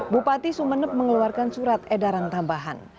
bupati sumeneb mengeluarkan surat edaran tambahan